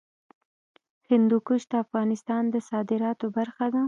هندوکش د افغانستان د صادراتو برخه ده.